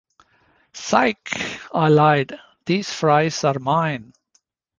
Sike! I lied. These fries are mine.